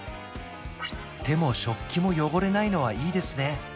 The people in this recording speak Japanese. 手も食器も汚れないのはいいですね